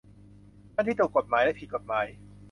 ทั้งที่ถูกกฎหมายและผิดกฎหมาย